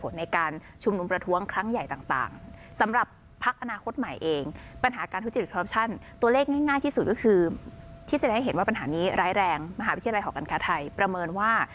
ที่แสดงให้เห็นว่าปัญหานี้ร้ายแรงมหาวิทยาลัยหอการค้าไทยประเมินว่า